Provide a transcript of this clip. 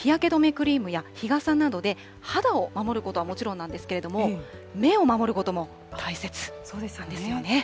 クリームや日傘などで肌を守ることはもちろんなんですけれども、目を守ることも大切なんですよね。